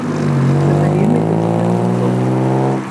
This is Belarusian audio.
Гэта вельмі пазітыўны крок.